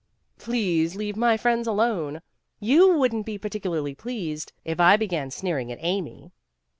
" Please leave my friends alone. You wouldn't be particularly pleased if I began sneering at Amy."